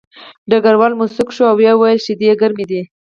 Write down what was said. ډګروال موسک شو او ویې ویل چې شیدې ګرمې دي